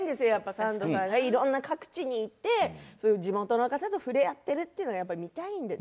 サンドさんがいろんな各地に行って、地元の方と触れ合っているのが見たいんですよ。